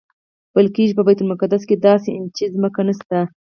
ویل کېږي په بیت المقدس کې داسې انچ ځمکه نشته.